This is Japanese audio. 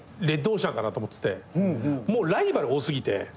もうライバル多すぎて。